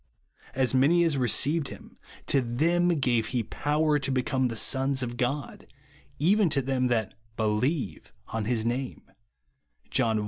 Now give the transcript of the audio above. As many as received him, to them gave r>ELlEVE AND BE SAVED. 103 ho power to become the sons of God, even to them that believe on his name," (John i.